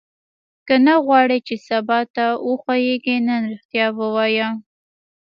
که نه غواړې چې سبا ته وښوېږې نن ریښتیا ووایه.